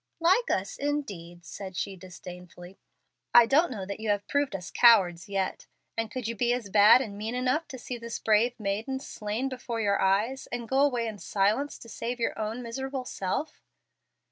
"'Like us,' indeed!" said she, disdainfully. "I don't know that you have proved us cowards yet. And could you be bad and mean enough to see this brave maiden slain before your eyes, and go away in silence to save your own miserable self?"